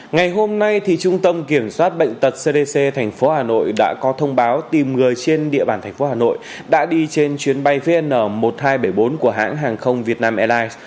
ngày hôm nay trung tâm kiểm soát bệnh tật cdc tp hà nội đã có thông báo tìm người trên địa bàn thành phố hà nội đã đi trên chuyến bay vn một nghìn hai trăm bảy mươi bốn của hãng hàng không việt nam airlines